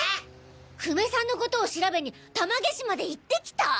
久米さんのことを調べに玉毛市まで行ってきた！？